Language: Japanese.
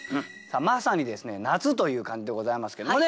まさにですね夏という感じでございますけれどもね